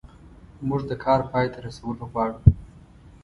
موږ د کار پای ته رسول غواړو.